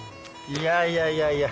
いやいやいやいや。